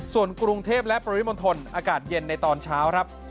ส่วนกรุงเทพและปริมณฑลอากาศเย็นในตอนเช้าครับ